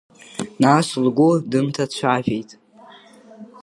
Нас лгәы дынҭацәажәеит…